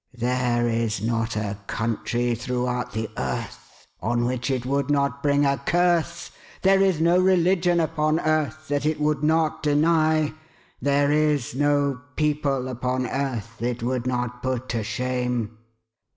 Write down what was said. There is not a country throughout the earth on which it would not bring a curse. There is no religion upon earth that it would not deny ; there is no people upon earth it would not put to shame."